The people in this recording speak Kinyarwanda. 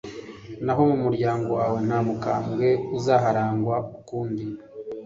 naho mu muryango wawe, nta mukambwe uzaharangwa ukundi